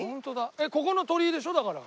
ここの鳥居でしょ？だから。